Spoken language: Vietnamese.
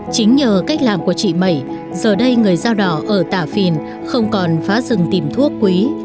chính nhờ cách làm của chị mẩy giờ đây người dao đỏ ở tà phìn không còn phá rừng tìm thuốc quý